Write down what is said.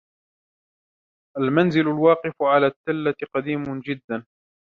المنزل الواقف على التلة قديم جداً.